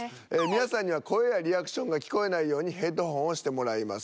皆さんには声やリアクションが聞こえないようにヘッドホンをしてもらいます。